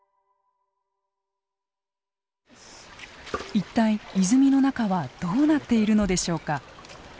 一体泉の中はどうなっているのでしょうか。